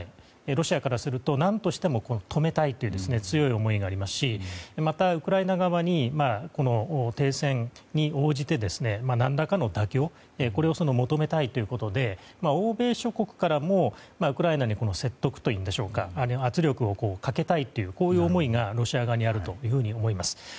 ロシアからすると何としても止めたいという強い思いがありますしまたウクライナ側に停戦に応じて何らかの妥協を求めたいということで欧米諸国からもウクライナに説得というんでしょうか圧力をかけたいという思いがロシア側にあると思います。